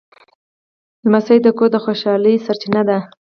لمسی د کور د خوشحالۍ سرچینه ده.